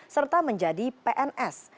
serta menjadi pns